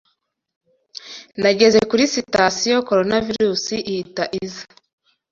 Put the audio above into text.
Nageze kuri Sitasiyo Coronavirusi ihita iza